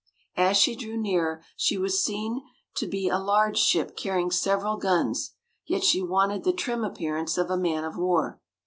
As she drew nearer, she was seen to be a large ship carrying several guns, yet she wanted the trim appearance of a man of war.